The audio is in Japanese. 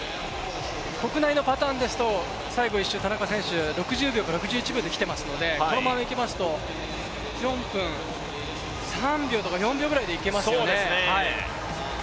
国内のパターンですと、最後１周、田中選手、６０秒か６１秒できていますのでこのままいきますと、４分３秒とか４秒ぐらいでいけますよね。